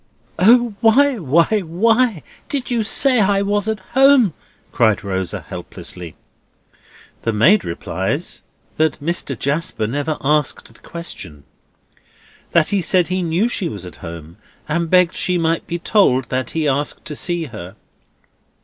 "O why, why, why, did you say I was at home!" cried Rosa, helplessly. The maid replies, that Mr. Jasper never asked the question. That he said he knew she was at home, and begged she might be told that he asked to see her.